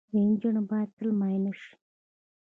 انجن باید تل معاینه شي.